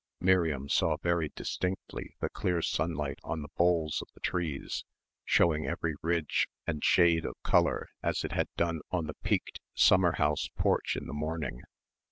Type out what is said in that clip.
Miriam saw very distinctly the clear sunlight on the boles of the trees showing every ridge and shade of colour as it had done on the peaked summer house porch in the morning.